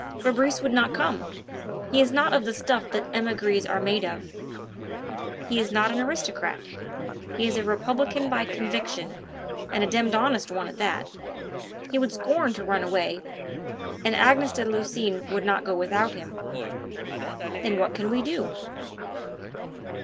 "Fabrice would not come. He is not of the stuff that emigres are made of. He is not an aristocrat; he is a republican by conviction, and a demmed honest one at that. He would scorn to run away, and Agnes de Lucines would not go without him." "Then what can we do?"